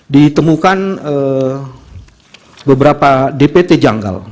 ditemukan beberapa dpt janggal